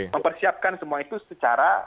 mempersiapkan semua itu secara